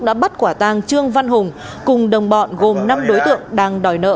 đã bắt quả tang trương văn hùng cùng đồng bọn gồm năm đối tượng đang đòi nợ